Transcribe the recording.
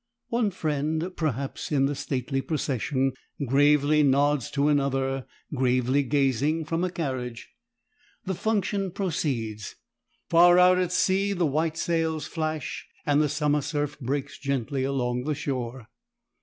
One friend, perhaps, in the stately procession gravely nods to another gravely gazing from a carriage. The "function" proceeds. Far out at sea the white sails flash, and the summer surf breaks gently along the shore.